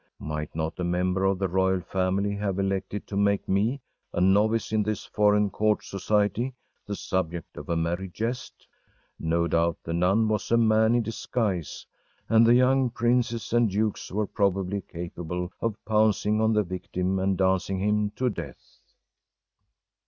Might not a member of the royal family have elected to make me, as a novice in this foreign court society, the subject of a merry jest? No doubt the nun was a man in disguise, and the young princes and dukes were probably capable of pouncing on the victim and dancing him to death.